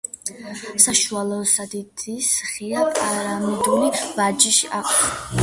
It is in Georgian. საშუალო სიდიდის ხეა, პირამიდული ვარჯი აქვს.